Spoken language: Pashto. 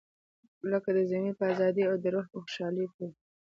لکه د ضمیر په ازادۍ او د روح په خوشحالۍ پورې.